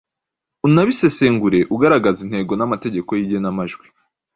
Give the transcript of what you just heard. unabisesengure ugaragaza intego n’amategeko y’igenamajwi.